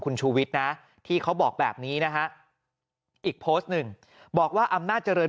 คุณชูวิทย์นะที่เขาบอกแบบนี้นะฮะอีกโพสต์หนึ่งบอกว่าอำนาจเจริญ